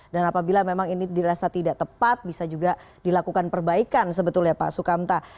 dan apabila memang ini dirasa tidak tepat bisa juga dilakukan perbaikan sebetulnya pak sukamta